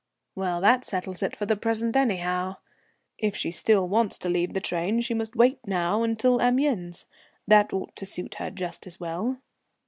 "Well, that settles it for the present, anyhow. If she still wants to leave the train she must wait now until Amiens. That ought to suit her just as well."